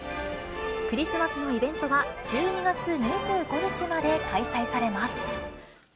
クリスマスのイベントは１２月２５日まで開催されます。